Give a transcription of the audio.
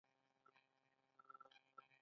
ناپاکي ناروغي راوړي